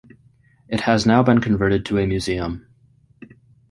It has now been converted to a museum.